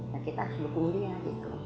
ya kita harus dukung dia gitu